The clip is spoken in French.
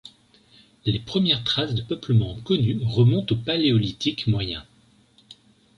Les premières traces de peuplement connues remontent au Paléolithique moyen.